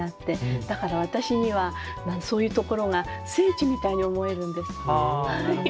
だから私にはそういうところが聖地みたいに思えるんです。